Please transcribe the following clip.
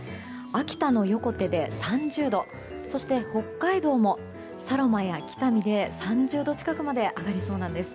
秋田の横手で３０度そして北海道も佐呂間や北見で３０度近くまで上がりそうなんです。